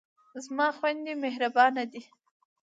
زما خویندې مهربانه دي.